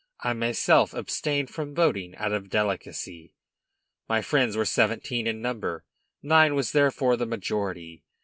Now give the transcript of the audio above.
I myself abstained from voting, out of delicacy. My friends were seventeen in number; nine was therefore the majority.